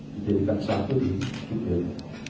dijadikan satu di tudel